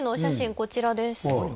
こちらです